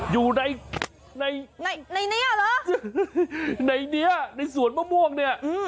อยู่ในในนี้เหรอในนี้ในสวนมะม่วงเนี่ย